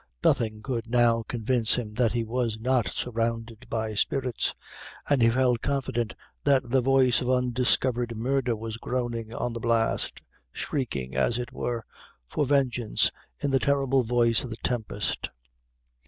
Nothing could now convince him that he was not surrounded by spirits, and he felt confident that the voice of undiscovered murder was groaning on the blast shrieking, as it were, for vengeance in the terrible voice of the tempest.